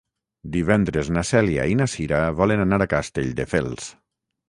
Divendres na Cèlia i na Cira volen anar a Castelldefels.